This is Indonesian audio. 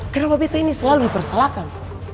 kenapa bitu ini selalu dipersalahkan